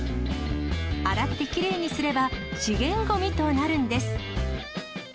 洗ってきれいにすれば資源ごみとなるんです。